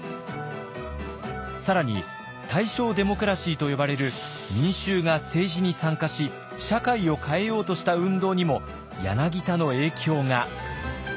更に「大正デモクラシー」と呼ばれる民衆が政治に参加し社会を変えようとした運動にも柳田の影響が。